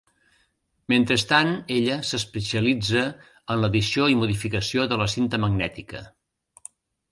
Mentrestant ella s'especialitza en l'edició i modificació de la cinta magnètica.